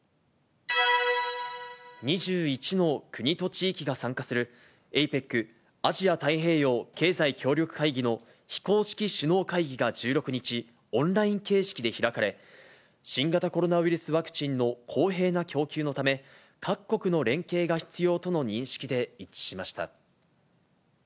２１の国と地域が参加するＡＰＥＣ・アジア太平洋経済協力会議の非公式首脳会議が１６日、オンライン形式で開かれ、新型コロナウイルスワクチンの公平な供給のため、各国の連携が必要との認識で一致しました。